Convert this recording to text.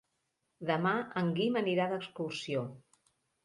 Demà en Guim anirà d'excursió.